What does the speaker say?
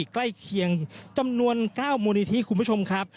ใกล้เคียงจำนวน๙มูลนิธิคุณผู้ชมครับ